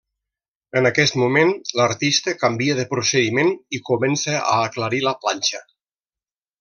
En aquest moment l'artista canvia de procediment i comença a aclarir la planxa.